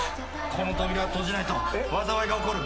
この扉を閉じないと災いが起こる。